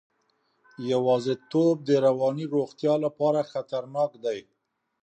یوازیتوب د رواني روغتیا لپاره خطرناک دی.